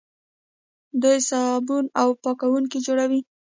دوی صابون او پاکوونکي جوړوي.